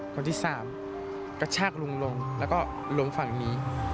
กระชากลุงลงแล้วก็ลงฝั่งนี้